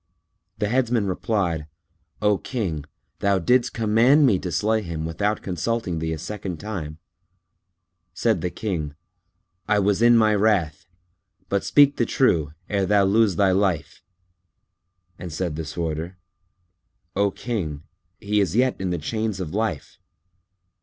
The Headsman replied, "O King, thou didst command me to slay him without consulting thee a second time." Said the King, "I was in my wrath; but speak the truth, ere thou lose thy life;" and said the Sworder, "O King, he is yet in the chains of life."